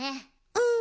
うん。